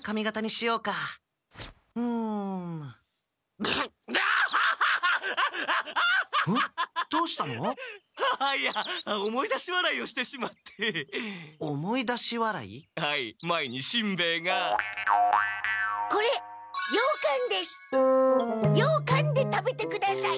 ようかんで食べてください。